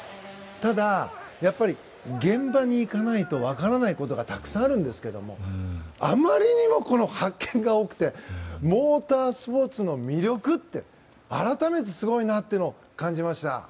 ただ、やっぱり現場に行かないと分からないことがたくさんあるんですけどあまりにも発見が多くてモータースポーツの魅力って改めてすごいなと感じました。